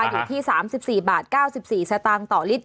อยู่ที่๓๔บาท๙๔สตางค์ต่อลิตร